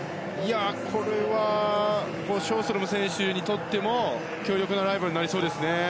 これはショーストロム選手にとっても強力なライバルになりそうですね。